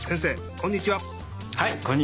こんにちは。